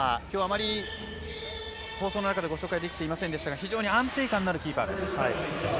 きょう、あまり放送の中でご紹介できていませんが非常に安定感のあるキーパーです。